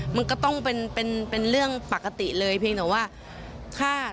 มันก็ต้องเป็นเรื่องปกติเลยเพียงแต่ว่าถ้า